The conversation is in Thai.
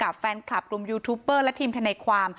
กับแฟนคลับรวมยูทูปเบอร์และทีมธนาความ